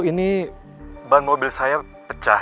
ini ban mobil saya pecah